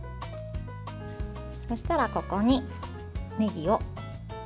そうしたら、ここにねぎを。